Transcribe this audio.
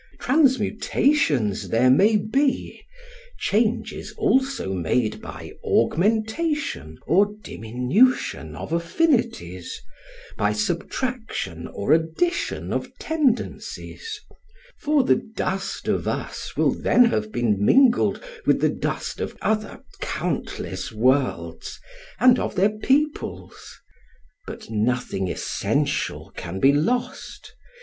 Transmutations there may be; changes also made by augmentation or diminution of affinities, by subtraction or addition of tendencies ; for the dust of us will then have been mingled with the dust of other countless worlds and of their peo ples. But nothing essential can be lost.